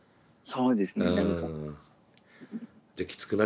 そうです。